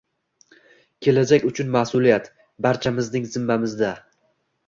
kelajak uchun mas’uliyat – barchamizning zimmamizda!